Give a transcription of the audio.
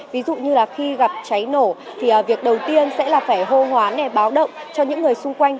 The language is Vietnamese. ví dụ như là khi gặp cháy nổ thì việc đầu tiên sẽ là phải hô hoán để báo động cho những người xung quanh